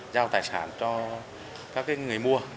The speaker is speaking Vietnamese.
giao tài sản cho các người mua